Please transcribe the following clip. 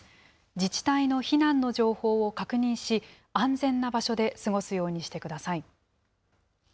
自治体の避難の情報を確認し、安全な場所で過ごすようにしてください。